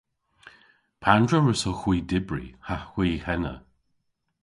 Pandr'a wrussowgh hwi dybri ha hwi ena?